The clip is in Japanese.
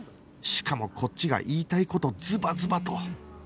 しかもこっちが言いたい事ズバズバと